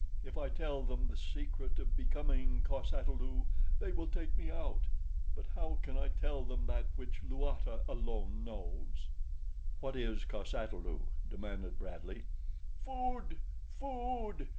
If I tell them the secret of becoming cos ata lu they will take me out; but how can I tell them that which Luata alone knows? "What is cos ata lu?" demanded Bradley. "Food! Food!